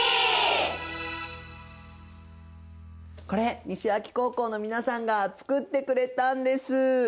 これ西脇高校の皆さんが作ってくれたんです。